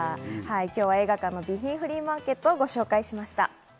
今日は映画館の備品フリーマーケットをご紹介しました。